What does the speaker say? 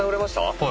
はい。